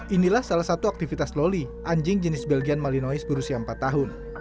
inilah salah satu aktivitas loli anjing jenis belgian malinois berusia empat tahun